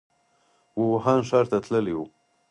ووهان ښار ته تللی و.